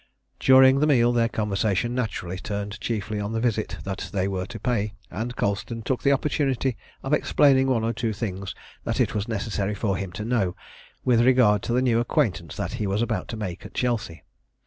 During the meal their conversation naturally turned chiefly on the visit that they were to pay, and Colston took the opportunity of explaining one or two things that it was necessary for him to know with regard to the new acquaintance that he was about to make at Chelsea.